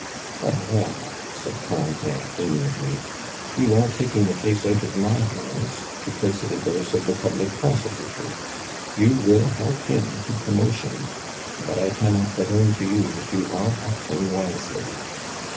"Well, well," said Corentin amiably, "you are taking the case out of my hands to place it in those of the public prosecutor. You will help him to promotion; but I cannot but own to you that you are acting wisely.